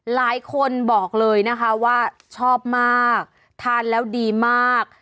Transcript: หลายคนบอกเลยนะคะว่าชอบมากทานแล้วดีมาก